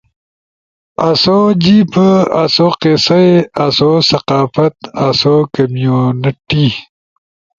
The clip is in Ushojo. آسو جیب آسو قصہ ئی، آسو ثقافت آسو کمیونٹی۔